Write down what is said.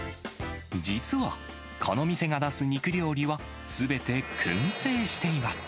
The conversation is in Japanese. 実は、この店が出す肉料理は、すべてくん製しています。